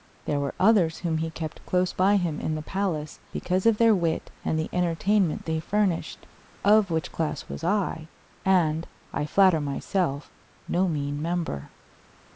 There were others whom he kept close by him in the palace because of their wit and the entertainment they furnished; of which class was I, and, I flatter myself, no mean member.